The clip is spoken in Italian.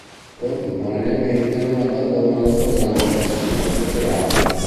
Contemporaneamente non abbandona la sua grande passione, il teatro.